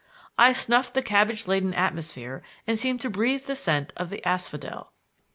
I snuffed the cabbage laden atmosphere and seemed to breathe the scent of the asphodel.